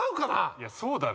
いやそうだろ。